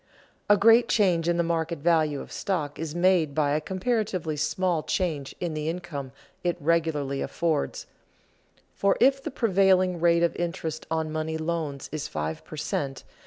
_ A great change in the market value of stock is made by a comparatively small change in the income it regularly affords, for if the prevailing rate of interest on money loans is five per cent.